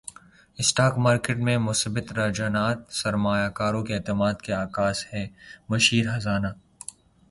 stock market میں مثبت رجحانات سرماریہ کاروں کے اعتماد کے عکاس ہیں مشیر خزانہ